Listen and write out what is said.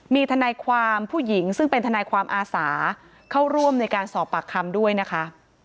มีทนายความผู้หญิงซึ่งเป็นทนายความอาสาเข้าร่วมในการสอบปากคำด้วยนะคะ